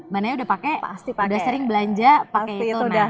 mananya udah pake udah sering belanja pake itu